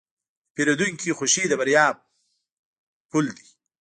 د پیرودونکي خوښي د بریا پله ده.